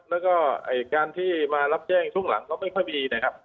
แล้วก็การที่มารับแจ้งช่วงหลังก็ไม่ค่อยมีนะครับ